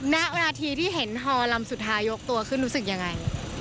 น่านาทีที่เห็นฮอลำสุดทายกกตัวคือนรู้สึกอย่างไร